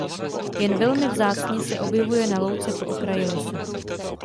Jen velmi vzácně se objevuje na louce po okraji lesa.